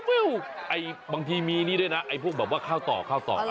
ฟิวไอ้บางทีมีนี่ด้วยนะไอ้พวกแบบว่าข้าวต่อน่ะ